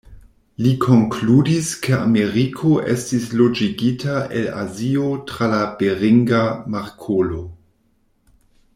Li konkludis, ke Ameriko estis loĝigita el Azio tra la Beringa Markolo.